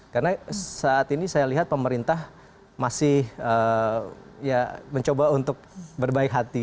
karena saat ini saya lihat pemerintah masih ya mencoba untuk berbaik hati